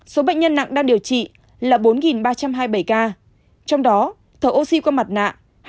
số bệnh nhân nặng đang điều trị là bốn ba trăm hai mươi bảy ca trong đó thở oxy qua mặt nạ hai sáu trăm ba mươi sáu